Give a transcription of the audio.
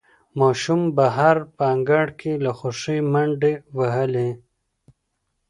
ماشوم بهر په انګړ کې له خوښۍ منډې وهلې